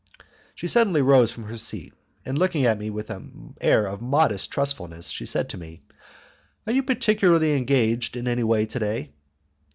She suddenly rose from her seat, and, looking at me with an air of modest trustfulness, she said to me, "Are, you particularly engaged in any way to day?"